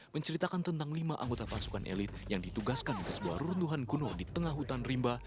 menceritakan tentang lima anggota pasukan elit yang ditugaskan ke sebuah runtuhan gunung di tengah hutan rimba